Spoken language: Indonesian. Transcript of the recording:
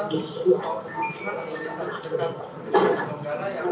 pukul sembilan malam untuk pukul sembilan malam